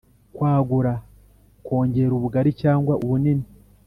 kwagura: kongera ubugari cyangwa ubunini.